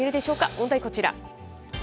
問題はこちら。